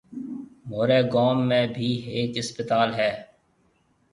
مهوريَ گوم ۾ ڀِي هيَڪ هسپتال هيَ۔